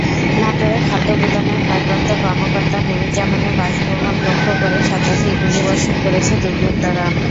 নাটোরে খাদ্যগুদামের ভারপ্রাপ্ত কর্মকর্তা নূরুজ্জামানের বাসভবন লক্ষ্য করে শতাধিক গুলিবর্ষণ করেছে দুর্বৃত্তরা।